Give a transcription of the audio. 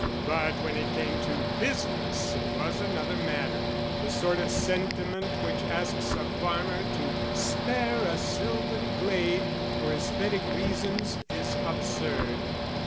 But when it came to business, it was another matter the sort of sentiment which asks a farmer to spare a sylvan glade for æsthetic reasons is absurd.